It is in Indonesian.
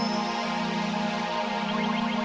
tidak men sowil